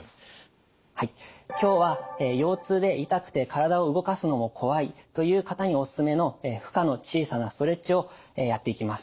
今日は腰痛で痛くて体を動かすのも怖いという方におすすめの負荷の小さなストレッチをやっていきます。